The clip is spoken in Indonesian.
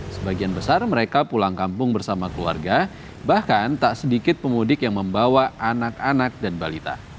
sebagian besar mereka pulang kampung bersama keluarga bahkan tak sedikit pemudik yang membawa anak anak dan balita